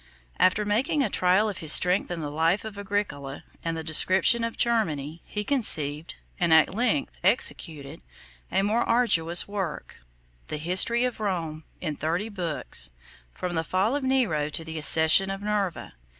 After making a trial of his strength in the life of Agricola and the description of Germany, he conceived, and at length executed, a more arduous work; the history of Rome, in thirty books, from the fall of Nero to the accession of Nerva.